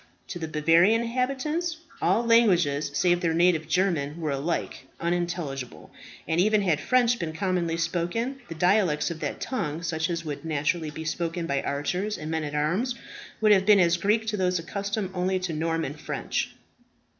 To the Bavarian inhabitants, all languages, save their native German, were alike unintelligible; and even had French been commonly spoken, the dialects of that tongue, such as would naturally be spoken by archers and men at arms, would have been as Greek to those accustomed only to Norman French.